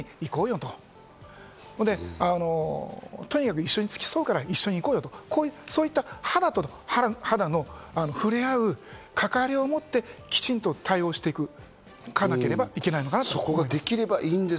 とにかく一緒に付き添うから行こうよと、そういった肌と肌の触れ合う関わりを持ってきちんと対応していかなければいけないのかなと思います。